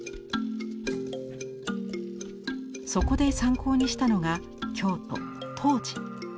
そこで参考にしたのが京都・東寺。